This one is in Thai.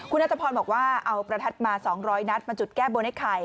คุณนัทพรบอกว่าเอาประทัดมา๒๐๐นัดมาจุดแก้บนไอ้ไข่